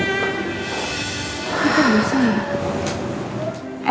itu bisa ya